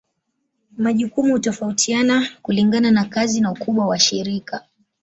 Majukumu hutofautiana kulingana na kazi na ukubwa wa shirika.